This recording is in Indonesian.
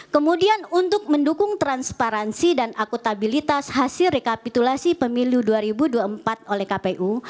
kemudian untuk mendukung transparansi dan akutabilitas hasil rekapitulasi pemilu dua ribu dua puluh empat oleh kpu